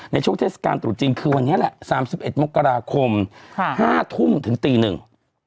ในโชคเทศกาลตรุษจีนคือวันนี้แหละ๓๑มกราคม๕ทุ่มถึงตีหนึ่ง